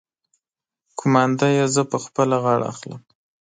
قومانده يې زه په خپله غاړه اخلم.